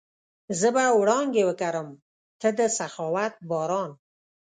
زه به وړانګې وکرم، ته د سخاوت باران